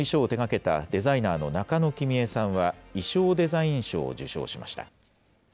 舞台の衣装を手がけたデザイナーの中野希美江さんは、衣装デザイン賞を受賞しました。